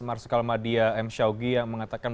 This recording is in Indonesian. marsikal madia m syawgi yang mengatakan